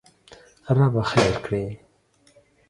ربه خېر کړې!